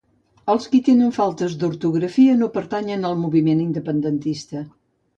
Els qui tenen faltes d'ortografia no pertanyen al moviment independentista